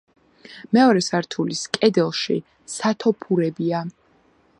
მეორე სართულის კედელში სათოფურებია.